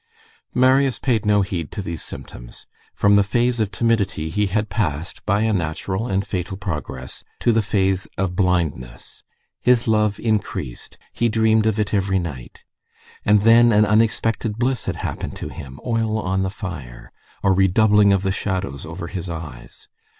Marius paid no heed to these symptoms. From the phase of timidity, he had passed, by a natural and fatal progress, to the phase of blindness. His love increased. He dreamed of it every night. And then, an unexpected bliss had happened to him, oil on the fire, a redoubling of the shadows over his eyes.